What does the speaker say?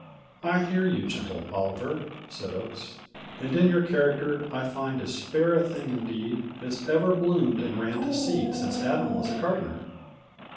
"I hear you, gentle Oliver," Said Oakes, "and in your character I find as fair a thing indeed As ever bloomed and ran to seed Since Adam was a gardener.